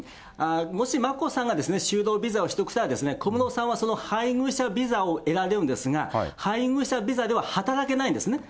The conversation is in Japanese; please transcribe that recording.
もし、眞子さんが就労ビザを取得したら、小室さんはその配偶者ビザを得られるんですが、配偶者ビザでは、働けないんだ。